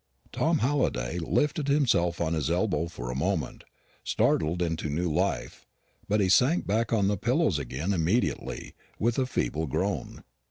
Tom Halliday lifted himself on his elbow for a moment, startled into new life; but he sank back on the pillows again immediately, with a feeble groan.